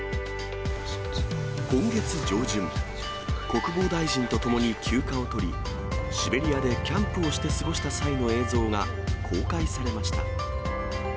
今月上旬、国防大臣と共に休暇を取り、シベリアでキャンプをして過ごした際の映像が公開されました。